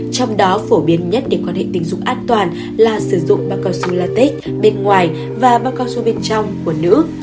trong đó phổ biến nhất để quan hệ tình dục an toàn là sử dụng bao cao su latex bên ngoài và bao cao su bên trong của nữ